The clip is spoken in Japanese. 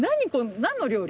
何の料理？